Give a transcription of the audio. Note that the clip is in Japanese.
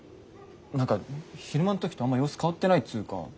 何か昼間の時とあんま様子変わってないっつうか。